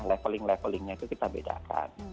leveling levelingnya itu kita bedakan